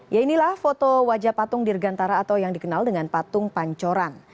ya inilah foto wajah patung dirgantara atau yang dikenal dengan patung pancoran